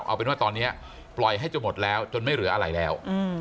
เอาเป็นว่าตอนนี้ปล่อยให้จนหมดแล้วจนไม่เหลืออะไรแล้ว